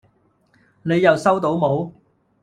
你又收到冇